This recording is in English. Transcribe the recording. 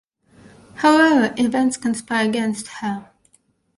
However, events conspire against her.